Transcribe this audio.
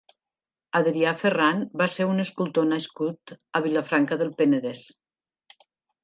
Adrià Ferran va ser un escultor nascut a Vilafranca del Penedès.